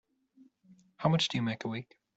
How much do you make a week?